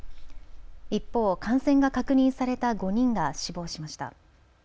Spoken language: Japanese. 一方、感染が確認された５人が死亡しました。